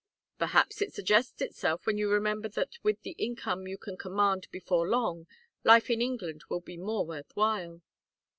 "Perhaps it suggests itself when you remember that with the income you can command before long, life in England will be more worth while."